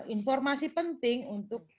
informasi penting untuk